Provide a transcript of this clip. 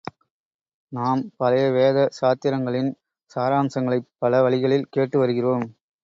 நாம் பழைய வேத சாத்திரங்களின் சாராம்சங்களைப் பல வழிகளில் கேட்டு வருகிறோம்.